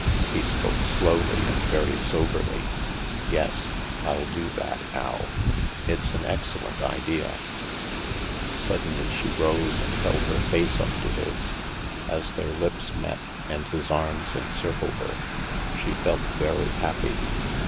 He spoke slowly and very soberly. " Yes, 111 do that, Al. It's an excellent idea/' Suddenly she rose and held her face up to his. As their lips met, and his arm encircled her, she felt very happy.